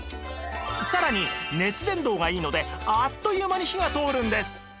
さらに熱伝導がいいのであっという間に火が通るんです！